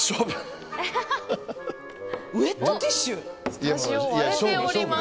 スタジオ、割れております。